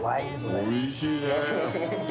おいしいね。